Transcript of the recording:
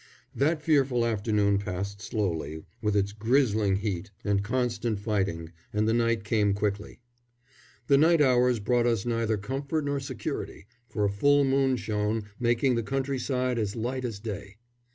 That fearful afternoon passed slowly, with its grizzling heat and constant fighting, and the night came quickly. The night hours brought us neither comfort nor security, for a full moon shone, making the countryside as light as day.